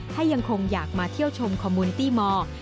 ถ้ายังคงอยากมาเที่ยวชมคอมมูลตี้มอร์